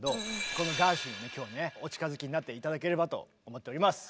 このガーシュウィンに今日はねお近づきになって頂ければと思っております。